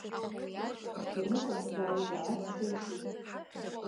Баныҟам сааигәа аҵх лашәуп.